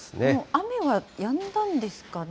雨はやんだんですかね？